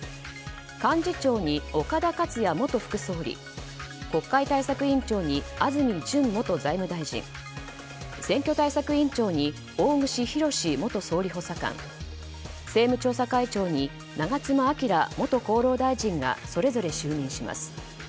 幹事長に岡田克也元副総理国会対策委員長に安住淳元財務大臣選挙対策委員長に大串博志元総理補佐官政務調査会長に長妻昭元厚労大臣がそれぞれ就任します。